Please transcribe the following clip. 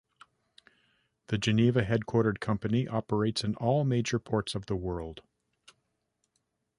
The Geneva-headquartered company operates in all major ports of the world.